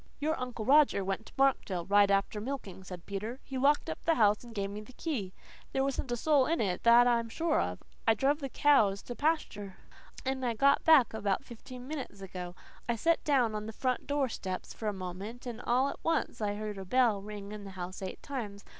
"Your Uncle Roger went to Markdale right after milking," said Peter. "He locked up the house and gave me the key. There wasn't a soul in it then, that I'm sure of. I druv the cows to the pasture, and I got back about fifteen minutes ago. I set down on the front door steps for a moment, and all at once I heard a bell ring in the house eight times.